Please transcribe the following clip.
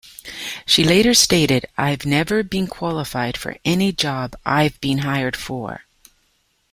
She later stated, "I've never been qualified for any job I've been hired for".